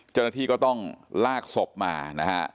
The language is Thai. เจ้าหน้าที่ก็ต้องลากศพมานะฮะ